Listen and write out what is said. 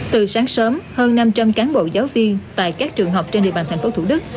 từ sáng sớm hơn năm trăm linh cán bộ giáo viên tại các trường học trên địa bàn thành phố thủ đức